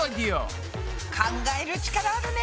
考える力あるね。